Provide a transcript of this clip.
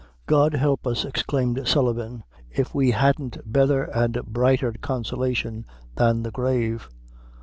"God help us," exclaimed Sullivan, "if we hadn't betther and brighter consolation than the grave.